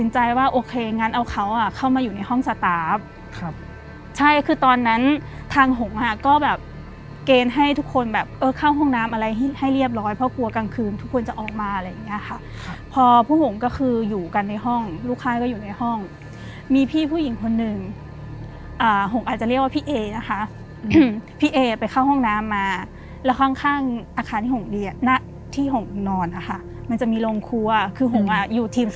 ใช่คือตอนนั้นทางหงษ์ก็แบบเกณฑ์ให้ทุกคนแบบเข้าห้องน้ำอะไรให้เรียบร้อยเพราะกลัวกลางคืนทุกคนจะออกมาอะไรอย่างนี้ค่ะพอพวกหงษ์ก็คืออยู่กันในห้องลูกค่ายก็อยู่ในห้องมีพี่ผู้หญิงคนหนึ่งหงษ์อาจจะเรียกว่าพี่เอนะคะพี่เอไปเข้าห้องน้ำมาแล้วข้างอาคารที่หงษ์นอนนะคะมันจะมีโรงครัวคือหงษ์อยู่ทีม